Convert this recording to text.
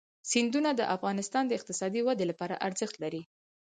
سیندونه د افغانستان د اقتصادي ودې لپاره ارزښت لري.